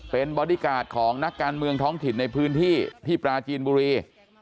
เป็นบอดี้การ์ดของนักการเมืองท้องถิ่นในพื้นที่ที่ปราจีนบุรี